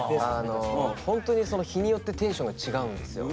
ホントに日によってテンション違うんですよ。